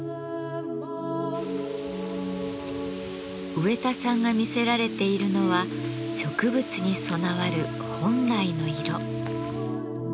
植田さんが魅せられているのは植物に備わる本来の色。